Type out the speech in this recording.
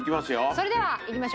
それではいきましょう。